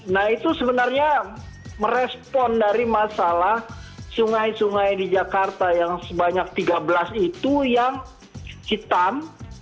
nah itu sebenarnya merespon dari masalah sungai sungai di jakarta yang sebanyak tiga belas itu yang hitam